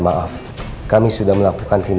saya pindahin ke mantan